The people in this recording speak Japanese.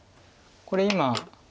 これ今。